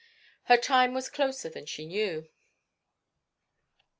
Her time was closer than she knew.